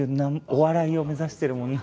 お笑いを目指してるの？